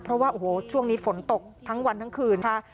เพราะว่าโอ้โหช่วงนี้ฝนตกทั้งวันทั้งคืนค่ะ